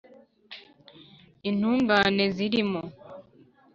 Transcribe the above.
Intungane zilimo